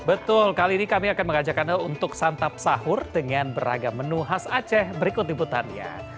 betul kali ini kami akan mengajak anda untuk santap sahur dengan beragam menu khas aceh berikut liputannya